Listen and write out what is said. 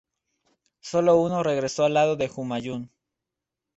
Solo uno regresó al lado de Humayun.